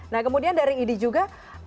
nah kemudian dari idi juga